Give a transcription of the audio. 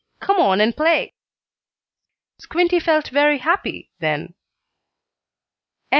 "Come on and play!" Squinty felt very happy then.